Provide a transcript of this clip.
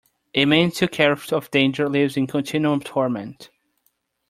A man too careful of danger lives in continual torment.